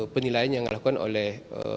penilaian yang dilakukan oleh